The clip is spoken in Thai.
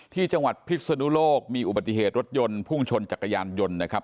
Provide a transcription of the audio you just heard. ที่จังหวัดพิศนุโลกมีอุบัติเหตุรถยนต์พุ่งชนจักรยานยนต์นะครับ